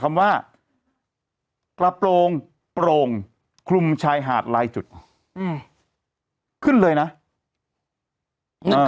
คำว่ากระโปรงโปร่งคลุมชายหาดลายจุดอืมขึ้นเลยนะอ่า